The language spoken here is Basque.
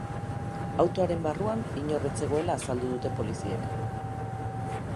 Autoaren barruan inor ez zegoela azaldu dute poliziek.